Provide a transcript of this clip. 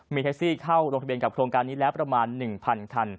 มีแท็กซี่เข้าลงทะเบียนกับโครงการนี้แล้วประมาณ๑๐๐คัน